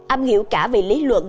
âm hiểu cả về lý luật